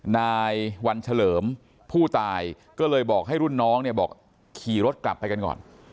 นายวันเฉลิมผู้ตายก็เลยบอกให้รุ่นน้องเนี่ยบอกขี่รถกลับไปกันก่อน